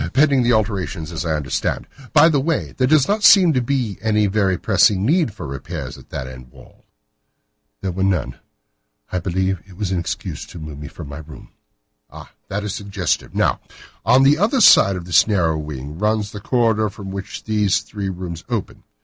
"Pending the alterations, as I understand. By the way, there does not seem to be any very pressing need for repairs at that end wall." "There were none. I believe that it was an excuse to move me from my room." "Ah! that is suggestive. Now, on the other side of this narrow wing runs the corridor from which these three rooms open.